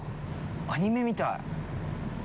アニメみたい。